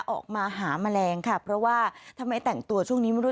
ออกมาหาแมลงค่ะเพราะว่าทำไมแต่งตัวช่วงนี้ไม่รู้